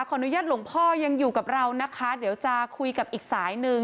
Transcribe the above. หลวงพ่อยังอยู่กับเรานะคะเดี๋ยวจะคุยกับอีกสายหนึ่ง